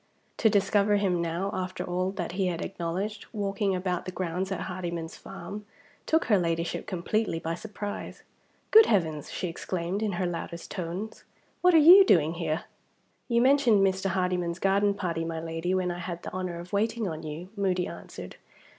To discover him now, after all that he had acknowledged, walking about the grounds at Hardyman's farm, took her Ladyship completely by surprise. "Good Heavens!" she exclaimed, in her loudest tones, "what are you doing here?" "You mentioned Mr. Hardyman's garden party, my Lady, when I had the honor of waiting on you," Moody answered.